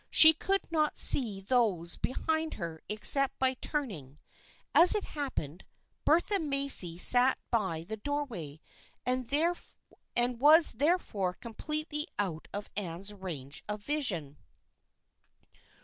She could not see those behind her except by turn ing. As it happened, Bertha Macy sat by the doorway, and was therefore completely out of Anne's range of vision.